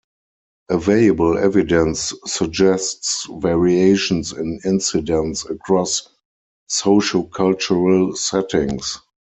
Available evidence suggests variations in incidence across sociocultural settings.